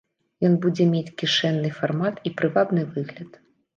Ён будзе мець кішэнны фармат і прывабны выгляд.